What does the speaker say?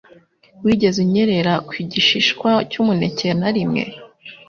Wigeze unyerera ku gishishwa cy'umuneke narimwe?